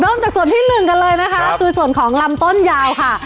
จากส่วนที่หนึ่งกันเลยนะคะคือส่วนของลำต้นยาวค่ะ